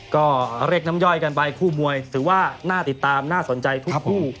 ก็เรียกน้ำย่อยกันไปคู่มวยถือว่าน่าติดตามน่าสนใจทุกคู่